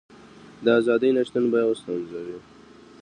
د ازادۍ نشتون به یوه ستونزه وي.